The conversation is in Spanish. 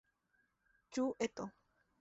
Yu Eto